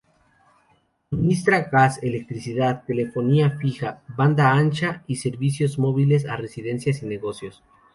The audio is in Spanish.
Suministra gas, electricidad, telefonía fija, banda ancha y servicios móviles a residencias y negocios.